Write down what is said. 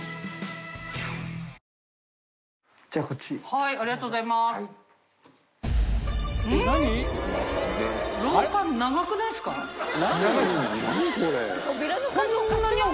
はいありがとうございます大吉）